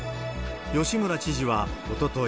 吉村知事はおととい、